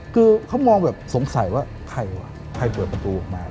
คือเขามองแบบสงสัยว่าใครวะใครเปิดประตูออกมา